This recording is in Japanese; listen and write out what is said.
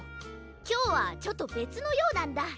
きょうはちょっとべつのようなんだ。